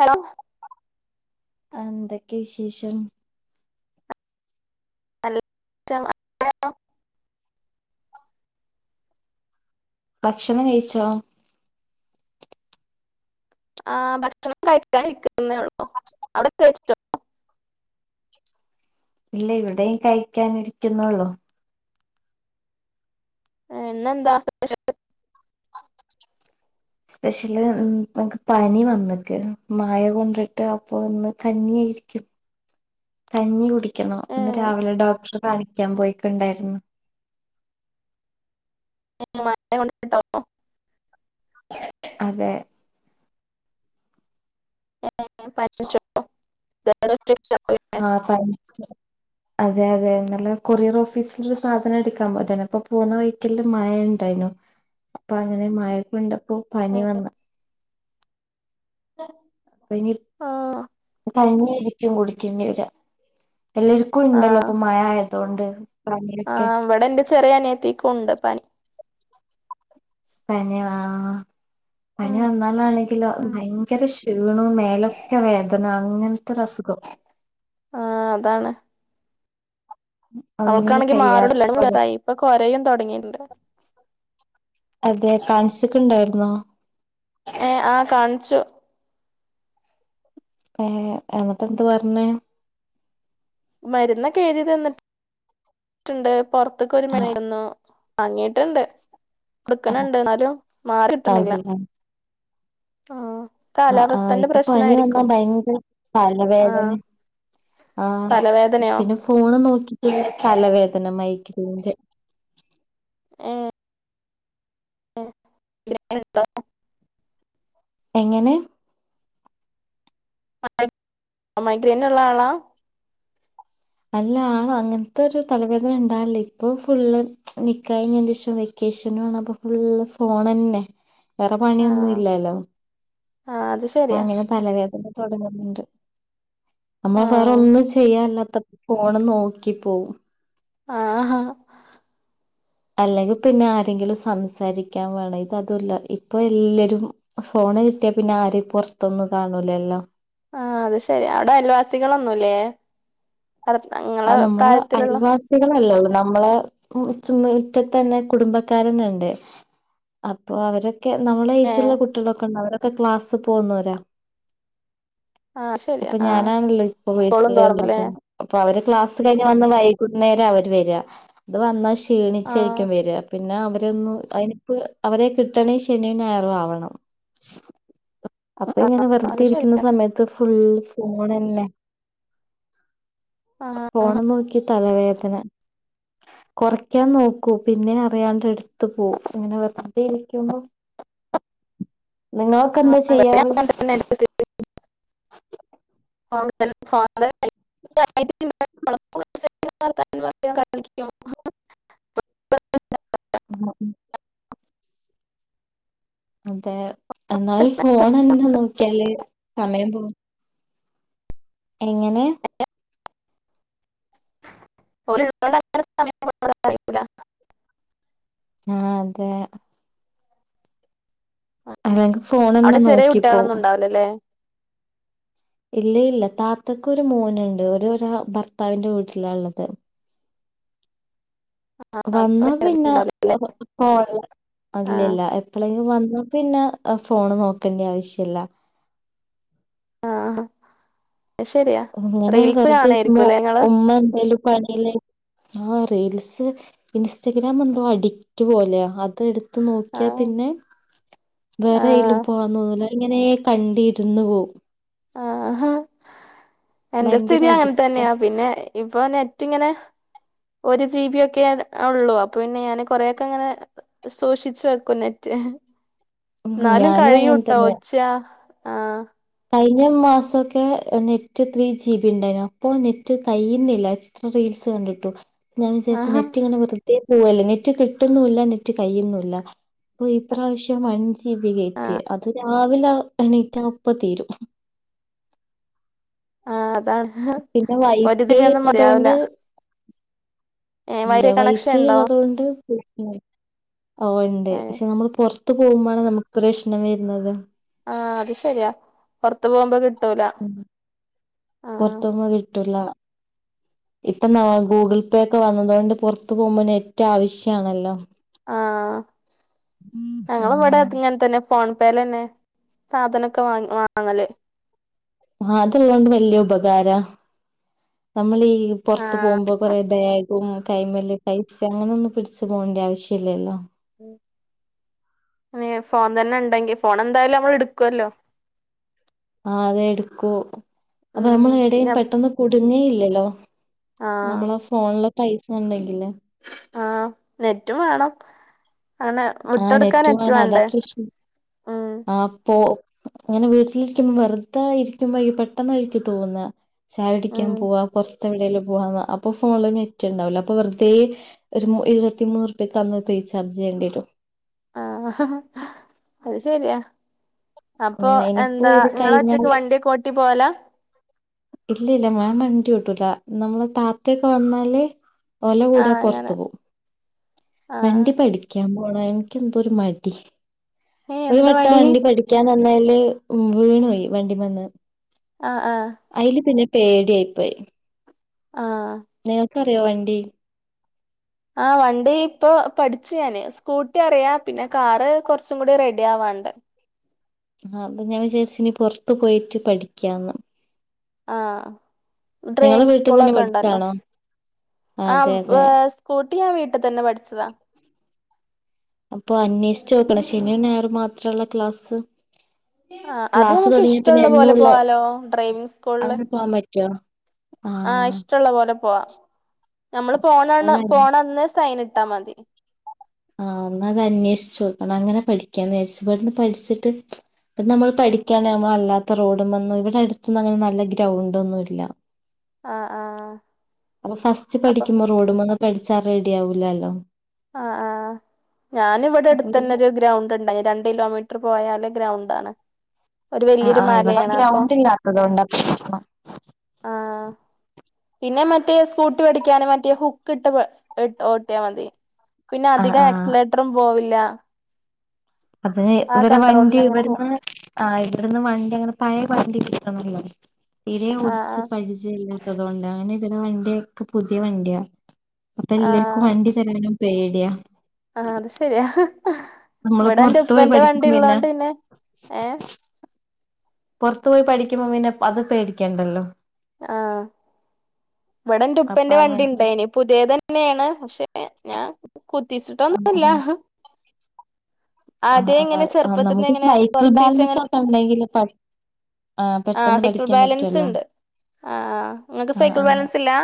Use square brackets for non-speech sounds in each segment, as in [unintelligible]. Hello എന്തൊക്കെ വിശേഷം hello [unintelligible] ഭക്ഷണം കഴിച്ചോ ആഹ് ഭക്ഷണം കഴിക്കാനിരിക്കുന്നേ ഉള്ളൂ അവിടെ കഴിച്ചോ ഇല്ലേയ് ഇവിടെയും കഴിക്കാനിരിക്കുന്നുള്ളൂ ഏഹ് ഇന്നെന്താ സ്പെഷ്യൽ [inaudible] സ്പെഷ്യല് നമക്ക് പനി വന്നിക്ക് മയ കൊണ്ടിട്ട് അപ്പൊ ഇ ന്ന് കഞ്ഞിയെരിക്കും [inaudible] കഞ്ഞി കുടിക്കണം ഇന്ന് രാവിലെ ഡോക്ടറെ കാണിക്കാ പോയിട്ടുണ്ടായിരുന്നു [unintelligible] മഴ കൊണ്ടിട്ടാണോ അതെ [unintelligible] ആഹ് പനിച്ച് അതെ അതെ ഇന്നലെ കൊറിയർ ഓഫീസിലൊരു സാധന എടുക്കാ പോയതേനു അപ്പൊ പോന്ന വഴി ത്തില് മഴയിണ്ടായിനു അപ്പൊ അങ്ങനെ മഴ കൊണ്ടപ്പോ പനി ഏ, വന്ന് പനി ആ കഞ്ഞിയേരി ഇക്കും കുടിക്കേണ്ടി വരാ ആ എല്ലാർക്കുണ്ടല്ലോപ്പൊ മഴ ആയതോണ്ട് പനിയൊക്കെ ചെറിയനിയത്തിക്കുണ്ട് പനി പനിയോ ആഹ് ആ, പനി വന്നാലാണെങ്കിലോ ഭയങ്കര ക്ഷീണോം മേലൊക്കെ വേദന അങ്ങൻത്തൊരസുഖം ആഹ് അതാണ് ഉം അവൾക്കാണെങ്കി മാറ്ണല്ല എത്ര ദിവസായി ഇപ്പൊ കൊരയും തൊടങ്ങിയിണ്ട് അതേ കാണിച്ച്ക്ക്ണ്ടായിരുന്നോ ഏഹ് ആഹ് കാണിച്ചു ഏഹ് എന്നിട്ടെന്ത്‌ പറഞ്ഞേ മരുന്നൊക്കെഴുതി തന്നിട്ട് ട്ടുണ്ട് പൊർത്ത്ക്കൊരു ആ മരുന്ന് വാങ്ങീട്ടുണ്ട് ആ കൊടുക്ക്ണ്ട്ന്നാലും മാറി കിട്ടുന്നില്ല ആഹ് ആഹ് ഇപ്പൊ പനി വന്നാ പ്രശ്നായിരിക്കും ഭയങ്കര തലവേദന ആഹ് ആഹ് തലവേദനയോ പിന്നെ ഫോണ് നോക്കിട്ടുള്ള തലവേദന മൈഗ്രേന്റെ ഏഹ് പിന്നേ എന്താ എങ്ങനെ മൈഗ്രൈനുള്ള ആളാ അല്ലാള് അങ്ങൻത്തൊരു തലവേദനണ്ടാവല്ല ഇപ്പൊ ഫുള്ള് നിക്കായിഞ്ഞിന്റെഷം വ വേക്കേഷന് വന്നപ്പ ഫുള്ള് ഫോണെന്നെ [inaudible] വേറെ ആഹ് പണിയൊന്നുല്ലലോ ആഹ് അത് ശരി അപ്പൊ അങ്ങനെ തലവേദന തുടങ്ങുന്നുണ്ട് നമ്മള് ആഹ് വേറൊന്നും ചെയ്യാല്ലാത്തപൊ ഫോണ് നോക്കി പോവും ആഹ് ഹാ അല്ലെങ്കി പിന്നെ ആരെങ്കിലും സംസാരിക്കാൻ വേണം ഇത് അതുല്ല ഇപ്പൊല്ലരും ഫോണ് കിട്ടിയാ പിന്നെ ആരി പൊർത്തൊന്നും കാണൂലല്ലോ ആഹ് അത് ശരിയ അവിടെ അയൽവാസികളൊന്നുല്ലേ ഇങ്ങളെ പ്രായത്തിലുള്ള കുട്ടികളല്ലൊള്ളൂ നമ്മളെ മിറ്റത്തെന്നെ കുടുംബക്കാരന്നെണ്ട് അപ്പൊ അവരൊക്കെ നമ്മളേജുള്ള ഏഹ് കുട്ടികളൊക്കെണ്ട് അവരൊക്കെ ക്ലാസ് പോകുന്നോരാ ആഹ് ശെരിയാ അപ്പൊ ആഹ് ഞാനാണ്ള്ളത് ഇപ്പൊ സ്കൂളും വീട്ട്ല്ള്ളത് തുറന്നില്ലേ അപ്പൊ അവര് ക്ലാസ് കഴിഞ്ഞ് വന്ന് വൈകുന്നേരാ അവര് വര അവര് വന്നാ ആഹ് ക്ഷീണിച്ചായിരിക്കും വര പിന്നെ അവരൊന്നും അതിനിപ്പ അവരെ കിട്ടണ ശനി ഞായറും ആവണം അപ്പൊ ആഹ് ഇങ്ങനെ അത് വെറുതെ ഇരിക്കുന്ന ശെരിയാ സമയത്ത് ഫുൾ ഫോൺന്നെ ആഹ് ആഹ് ഫോണ് നോക്കി തലവേദന കുറക്കാൻ നോക്കൂ പിന്നെ അറിയാണ്ട് എടുത്ത് എടുത്ത് പോകും ഇങ്ങനെ വെറുതെ ഇരിക്കുമ്പോ നിങ്ങളൊക്കെ എന്താ ചെയ്യാറ് [unintelligible] [unintelligible] [unintelligible] ഉ ഉം അതെ എന്നാല് ഫോൺ എന്നെ നോക്കിയാല് സമയം പോ എങ്ങനെ ഓൽ ഉള്ളോണ്ട് സമയം പോകുന്നത് അറിയൂല ആഹ് അതെ അല്ലെങ്കിൽ ഫോൺ തന്നെ നോക്കിപ്പോകും അതേ ല്ലേ ഇല്ല ഇല്ല താത്തക്ക് ഒരു മോനുണ്ട് ഓര് ഓലെ ഭർത്താവിറെ വീട്ടിലാ ഉള്ളത് ആഹ് അപ്പൊ വന്നാ പിന്നെ വരലുണ്ടാവൂലല്ലേ ഫോൺ എപോയും ഇല്ല ആഹ് ഇല്ല എപ്പോളെങ്കിലും വന്ന പിന്നെ ഫോണ് നോക്കേണ്ടി ആവശ്യം ല്ല ആഹ് അത് ശരിയാ അങ്ങനെ റീൽസ് വെറുതെ ഇരിക്കുമ്പോ കാണായിരിക്കുംല്ലേ ഇങ്ങള് ഉമ്മ എന്തേലും പണിയില ആ റീൽസ് ഇൻസ്റ്റഗ്രാം എന്തോ അഡിക്റ്റ് പോലെയ അത് എടുത്ത് എടുത്ത് നോക്കിയാ ആഹ് പിന്നെ ആഹ് വേറെലും പോവാന്ന തോന്നില്ല ഇങ്ങനെ കണ്ടിരുന്ന് പോവും ആ എന്റെ ഭയങ്കര സ്ഥിതി അങ്ങനെ അഡിക്റ്റാ തന്നെയാ പിന്നെ ഇപ്പൊ ഏറ്റ ഇങ്ങനെ ഒരു ജീ ബിയ ഒക്കെ ഉള്ളൂ അപ്പൊ പിന്നെ ഞാാന് കൊറെക്കെ ഇങ്ങനെ സൂക്ഷിച്ചു വെക്കും നെറ്റ് ഉം എന്നാലും ഞാനും അങ്ങനെ കഴിയൂട്ടോ തന്നെ ഒച്ച ആഹ് കഴിഞ്ഞ മാസമൊക്കെ നെറ്റ് ത്രീ ജി ബി ഉണ്ടായിരുന്നു അപ്പൊ നെറ്റ് കഴിയുന്നില്ല ഇത്ര റീൽസ് കണ്ടിട്ടു ഞാൻ വിചാരിച്ച് ആഹ് നെറ്റ് ഇങ്ങനെ പോവല്ലേ നെറ്റ് കിട്ടുന്നില്ല നെറ്റ് കയുന്നുല്ല അപ്പൊ ഈ പ്രാവശ്യം വണ്ടി ജി ബി ഗേറ്റ് ആഹ് അത് രാവിലെ എണീറ്റ് അപ്പ തീരും ആഹ അതാണ് പിന്നെ ഒരു വൈഫൈ ജിബി യൊന്നും മതി യാവില്ല ഉള്ളതുകൊണ്ട് ഇല്ല കണക്ഷൻ വൈഫൈ ഉണ്ടോ ഉള്ളതൊണ്ട് പ്രശ്ന ഓ ഉണ്ട് ഏഹ് പക്ഷെ നമ്മൾ പുറത്ത് പോകുമ്പോാണ് നമുക്ക് പ്രശ്നം വരുന്നത് ആഹ് അത് ശരിയാ പുറത്ത് പോകുമ്പോ കിട്ടൂല ആഹ് പുറത്തൊന്ന കിട്ടില്ല ഇപ്പം ന ഗൂഗിൾ പേ ഒക്കെ വന്നതോണ്ട് പുറത്തു പോകുമ്പോ നെറ്റ് ആവശ്യണല്ലോ ആഹ ഞങ്ങളും ഇവിടെങ്ങനെ തന്നെ ഫോൺ പേൽ തന്നെ സാധനമൊക്കെ വാ വാങ്ങല്ലേ ആ അതള്ളൊണ്ട് വലയ ഉപകാര നമ്മൾഈ പുറത്ത് ആഹ് പോകുമ്പോ കൊറെ ബാഗ് കൈമല്ലി പൈസ അങ്ങനെ ഒന്നും പിടിച്ചു പോകേണ്ട ആവശ്യമില്ലല്ലോ ഉ ഇ ഫോൺ തന്നെ ഉണ്ടെങ്കി ഫോൺ എന്തായാലും നമ്മൾ എടുക്കല്ലോ ആ അത എടുക്കൂ അപ്പൊ ഉം നമ്മൾ എവിടെയും പിന്നെ പെട്ടന്ന് കുടുങ്ങേ ഇല്ലല്ലോ ആഹ് നമ്മളെ ഫോണില് പൈസ ഉണ്ടെങ്കില് ആഹ നെറ്റും വേണം അങ്ങനെ വിട്ടടുക്കാൻ നെറ്റ് വേണ്ടേ ഉം ആപ്പൊ അങ്ങനെ വീട്ടിലിരിക്കുമ്പ വെറുത ഇരിക്കുമ്പോ പെട്ടെന്നായിരിക്കും തോന്ന ചായ കുടിക്കാൻ ഉം പോവാ പുറത്തെവിടെയെങ്കിലും പോവാ അപ്പൊ ഫോണില് നെറ്റ് ഉണ്ടാവില്ല അപ്പൊ ഫോണിൽ നെറ്റ് ഉണ്ടാവില്ല വെറുതെ ഒരു ഇരുപത്തിമൂന്ന് റുപയ്ക്ക് അന്ന് റീചാർജ് ചെയ്യേണ്ടി വരും ആഹ അത് ശരിയാ അപ്പൊ ഉം ഇനിയിപ്പോ എന്താ ഇത് നിങ്ങളെ ഒറ്റക്ക് കഴിഞ്ഞാല് വണ്ടിയൊക്കെ ഓട്ടി പോല ഇല്ല ഇല്ല ഞാൻ വണ്ടി ഓട്ടല നമ്മളെ താത്തൊക്കെ വന്നാല് ഓലെ കൂടെ ആഹ് അങ്ങനെ പൊർത്തു പോവും ആഹ് വണ്ടി പഠിക്ക്യാൻ പോണം എനിക്കെന്തോ ഒര് മടി ഏഹ് ഒരു എന്താ വട്ടം പണി വണ്ടി പഠിക്ക്യാൻ നിന്നേല് വീണോയി വണ്ടി മന്ന് ആഹ് ആഹ് ഐല് പിന്നെ പേട്യായിപ്പോയി ആഹ് നിങ്ങക്കറിയോ വണ്ടി ആഹ് വണ്ടീ ഇപ്പൊ പഠ്ച്ച് ഞാന് സ്കൂട്ടി അറിയാ പിന്നെ കാറ് കൊർച്ചുകൂടി റെഡിയാവാണ്ട് ആഹ് അപ്പൊ ഞാൻ വിചാര്ച്ച് ഇനി പൊർത്ത് പോയിട്ട് പഠിക്ക്യാന്ന് ആഹ് നിങ്ങളെ വീട്ടിൽന്ന് തന്നെ ഡ്രെയിങ്സ്കൂളൊക്കെ ഇണ്ടല്ലോ പഠിച്ചാണോ അതെ ആഹ് അതെ വേ സ്കൂട്ടി ഞാൻ വീട്ട് തന്നെ പഠിച്ചതാ അപ്പൊ അന്വേഷിച്ചോക്കണം ശെനിം ഞായറും മാത്രള്ള ക്ലാസ്സ് ആ അത് ക്ലാസ്സ് നമുക്ക് തൊടങ്ങ്യ പിന്നെ ഇഷ്ടമുള്ള പോലെ എന്നുള്ള പോവാലോ ഡ്രൈവിംഗ് അങ്ങനെ പോവാൻ പറ്റോ ആഹ് ഇഷ്ടള്ള പോലെ പോവാ നമ്മള് പോണ അതാണ് പോണന്ന് സൈന്ട്ടാ മതി ആഹ് ഇന്നതാ അന്വേഷിച്ചോക്കണം അങ്ങനെ പഠിക്ക്യാന്നാര്ച്ച് ഇവട്ന്ന് പഠ്ച്ച്ട്ട് ഇ നമ്മള് പഠിക്ക്യാണെ നമ്മള് അല്ലാത്ത റോഡും മന്ന് ഇവടെ അട്ത്തൊന്നും അങ്ങനെ നല്ല ഗ്രൗണ്ട് ഒന്നും ഇല്ല ആ ആ അപ്പം ഫസ്റ്റ് അപ്പൊ പഠിക്ക്യുമ്പോ റോഡ്മെന്ന് പഠ്ച്ചാ റെഡി ആവൂലാല്ലോ ആഹ് ആഹ് ഞാന് ഇവടെ അപ്പൊ എട്ത്തന്നെ ഒര് ഗ്രൗണ്ട്ണ്ടായി രണ്ട് കിലോമീറ്ററ് പോയാല് ഗ്രൗണ്ടാണ് ഒരു ആഹ് വലിയൊരു ആഹ് ഇവടെ മലയാണ് അപ്പൊ ഗ്രൗണ്ട് ഇല്ലാത്തതോണ്ടാ പ്രശ്നം ആഹ് പിന്നെ മറ്റേ സ്കൂട്ടി പഠിക്ക്യാന് മറ്റേ ഹുക്ക് ഇട്ട് ഓട്ടിയാ മതി പിന്നെ ആഹ് അധികം ആഹ് ആക്സിലേറ്ററും പോവില്ല അപ്പഴേ ആ ഇവരെ കൺട്രോളിൽ വണ്ടി അങ്ങനെ പോവും ഇവട്ന്ന് ആഹ് ഇവട്ന്ന് വണ്ടി അങ്ങനെ പഴയ വണ്ടി കിട്ട്ന്ന്ല്ലാ തീരെ ആ ഓട്ച്ച് ആ പരിചയ ഇല്ലാത്തതോണ്ട് അങ്ങനെ ഇതിനെ വണ്ടിയൊക്കെ പുതിയ വണ്ട്യാ അപ്പൊ ആ എല്ലര്ക്കും വണ്ടി തെരാന് പേടിയാ ആഹ് അത് ശെരിയാ നമ്മള് ഇവടെ എന്റെ പുറത്തു പോയി ഉപ്പൻ്റെ പഠിക്കും വണ്ടി ഇള്ളോണ്ട് പിന്നെ ഏഹ് പൊർത്ത് പോയി പഠിക്കുമ്പം പിന്നെ അത് പേടിക്കണ്ടല്ലോ ആഹ് ഇവടെ ൻ്റെ അപ്പൊ ഉപ്പൻ്റെ വണ്ടി അങ്ങനെ ണ്ടേനി പുതിയതന്നേണ് പക്ഷെ ഞാൻ കുത്തിച്ചിട്ടൊന്നൂല്ലാ ആഹ് ഇങ്ങനെ ആഹ് ചെറുപ്പത്തിന്ന് നമുക്ക് ഇങ്ങനെ സൈക്കിൾ കൊറച്ചീച്ചെ ഇങ്ങനെ ബാലൻസൊക്കെ ഇണ്ടെങ്കില് പഠി ആഹ് പെട്ടെന്ന് പഠിക്ക്യാൻ പറ്റല്ലോ ആഹ് ആഹ് ഇങ്ങക്ക് സൈക്കിൾ ബാലൻസ് ഇല്ലാ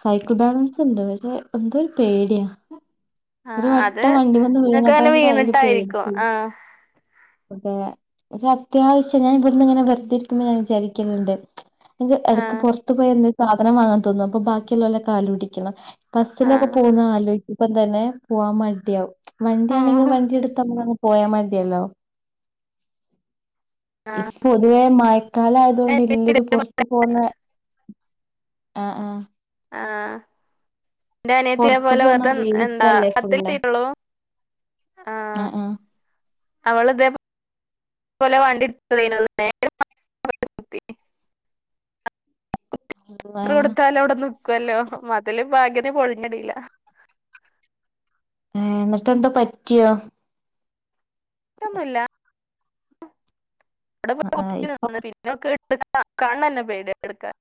സൈക്കിൾ ബാലൻസ് ഇണ്ട് പക്ഷെ എന്തോ ഒരു പേടിയാ ഒരു ആഹ് അത് വട്ടം വണ്ടി മെന്ന് ഇങ്ങക്ക് അങ്ങനെ വീണതോണ്ട് ഐല് വീണിട്ടായിരിക്കും പേട്ച്ച് ആഹ് അതെ പക്ഷെ അത്യാവശ്യം ഞാൻ ഇവട്ന്ന്ങ്ങനെ വെറ്തെ ഇരിക്കുമ്പം ഞാൻ വിചാരിക്കല്ണ്ട് ഇൻക്ക് എടക്ക് ആഹ് പൊർത്ത് പോയി എന്തേം സാധനം വാങ്ങാൻ തോന്നും അപ്പൊ ബാക്കിയുള്ളോലെ കാല് പിടിക്കണം ബസ്സിലൊക്കെ ആഹ് പോകുന്നെ ആലോയ് ക്കുമ്പം തന്നെ പോവാൻ മടിയാവും വണ്ടിയാണെങ്കി ഉം വണ്ടി എട്ത്തങ്ങ് പോയാ മതിയല്ലോ ഈ ആഹ് പൊതുവേ മഴക്കാലായതോണ്ട് എല്ലരും പൊർ ത്ത് പോന്നെ ആഹ് ആഹ് ആഹ് ഇൻ്റെ അനിയത്തീനെ പുറത്ത് പോലെ പോകുന്ന വെർതെ റീൽസ് എന്താ പത്ത് എത്തീട്ടൊള്ളൂ ആഹ് ആഹ് അവള് ഇതേ പോലെ വണ്ടിട്ത്തതേനു [unintelligible] അള്ളാ എത്ര കൊട്ത്താലും അവ്ടെ നിക്കല്ലോ മതില് ഭാഗ്യത്തിന് പൊളിഞ്ഞടില്ല ഏഹ് ഇന്ന്ട്ട് എന്തെ പറ്റിയോ പറ്റ്യൊന്നൂല [unintelligible] ആ ആ ഇപ്പൊ [unintelligible] കാൺന്നെ പേടിയാ ഇട്ക്കാൻ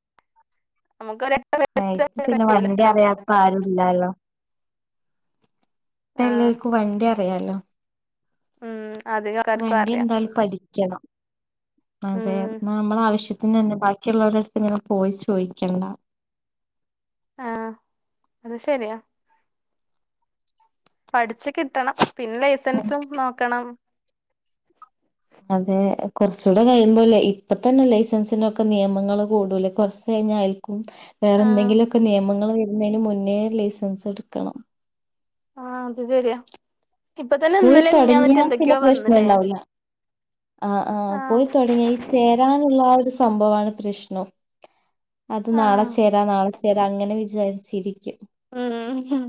നമുക്കൊര് ആ പിന്നെ വണ്ടി അറിയാത്ത ആരല്ലല്ലോ. ഇപ്പ ആഹ് എല്ലാവർക്കും വണ്ടി അറിയാലോ ഉം അധികം ആൾക്കാർക്കും വണ്ടി അറിയാം എന്തായാലും പഠി ക്കണം അതെ ഉം നമ്മള ആവശ്യത്തിന് തന്നെ ബാക്കിയുള്ളവരടുത്ത് ഇങ്ങനെ പോയി ചോദിക്കണ്ട ആഹ് അത് ശരിയാ പഠിച്ച് കിട്ടണം പിന്നെ ലൈസൻസും നോക്കണം അതെ കുറച്ചൂടെ കഴിയുമ്പോ അല്ലേ ഇപ്പ തന്നെ ലൈസൻസിനൊക്കെ നിയമങ്ങള്ൾ കൂടൂലേ കുറച്ച് കഴിഞ്ഞ അയി രിക്കും വേറെ ആഹ് എന്തെങ്കിലുമൊക്കെ നിയമങ്ങൾ വരുന്നതിന് മുന്നേ ലൈസൻസ് എടുക്കണം ആഹ് അതു ശരിയാ. ഇപ്പൊ തന്നെ ഇന്നലെ മിഞ്ഞാന്നറ്റെ പോയിത്തൊടങ്ങിയാൽ പിന്നെ എന്തൊക്കെയോ വന്നില്ലേ പ്രശ്നുണ്ടാവില്ല. ആഹ് ആഹ് പോയി തുടങ്ങി ചേരാനുള്ള ഒരു സംഭവമാണ് പ്രഷണു അത് നാളെ ആഹ് ചേരാ നാളെ- ചെയ്ത് അങ്ങനെ വിചാരിച്ചിരിക്കും- ഉം മ് ഹും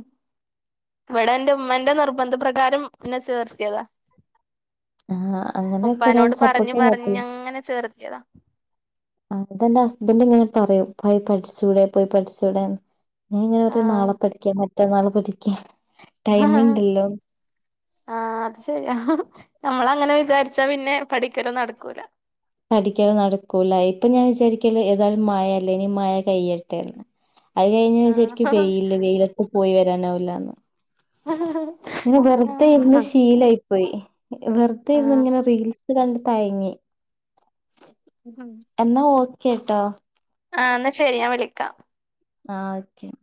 ഇവിടെ എന്റെ ഉമ്മാന്റെ നിർബന്ധ പ്രകാരം എന്നെ ചേർത്തിയതാ- ആ അങ്ങനെയൊക്കെ ഒരാൾ ഉപ്പാനോട് സപ്പോർട്ട് പറഞ്ഞ് ചെയ്യാൻ പറഞ് പറ്റില്ല അങ്ങനെ ചേർത്തിയതാ അതെന്റെഹസ്ബൻഡ് ഇങ്ങനെ പറയൂ പോയി പഠിച്ചുടെ പോയി പഠിച്ചുടെ എന്ന് നീ ഇങ്ങനെ പറയും ആഹ് നാളെ പഠിക്കാം മറ്റന്നാള് പഠിക്കാം ടൈമ് ഇണ്ടല്ലോ ആഹാ അത് ശരിയാ നമ്മള് അങ്ങനെ വിചാരിച്ചാ പിന്നെ പഠിക്കലോന്നും നടക്കൂല- പടിക്കാതെ നടക്കൂല ഇപ്പൊ ഞാൻ വിചാരിക്കല് ഏതായും മഴ അല്ലേ ഇനി മഴ കയിട്ടെ- അത് കഴിഞ് ശരിക്കും ആഹ് വെയിയില് വെയിലത്ത് പോയി വരാന് ആവുല്ലെന്ന് പറയും ഇങ്ങനെ ആഹ് വെറുതെ ഇരുന്ന് ആഹ് ശീലായി പോയി വെറുതെ ഇരുന്ന് ആഹ് ഇങ്ങനെ റീൽസ്- ഇത് കണ്ട് തയങ്ങി- ഉം..... [unintelligible] എന്നാ ഓക്കെ ട്ടോ ആഹാ എന്നാൽ ശരി ഞാൻ വിളിക്കാം- ആ വിളിക്കാം